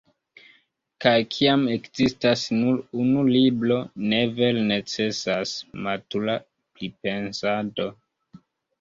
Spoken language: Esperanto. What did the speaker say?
Kaj kiam ekzistas nur unu libro, ne vere necesas “matura pripensado”.